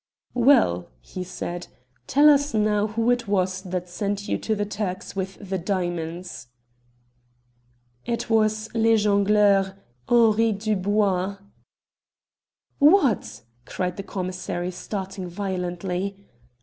"Well," he said, "tell us now who it was that sent you to the Turks with the diamonds?" "It was Le Jongleur, Henri Dubois." "What?" cried the commissary, starting violently.